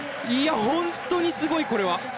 本当にすごい、これは。